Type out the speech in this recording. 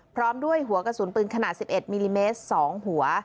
พร้อมด้วยหัวกระสุนปืนขนาด๑๑มิลลิเมตร๒หัว